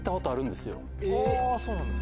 そうなんですか。